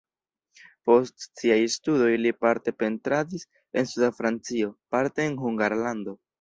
Post siaj studoj li parte pentradis en suda Francio, parte en Hungarlando.